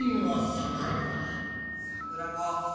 さくらこ！